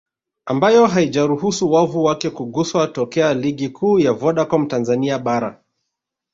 ambayo haijaruhusu wavu wake kuguswa tokea Ligi Kuu ya Vodacom Tanzania Bara